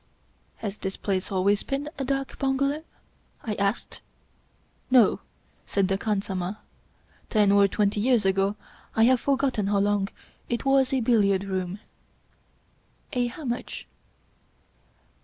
" Has this place always been a dak bungalow? " I asked. No,*' said the khansamah. " Ten or twenty years ago, I have forgotten how long, it was a billiard room." "A how much?"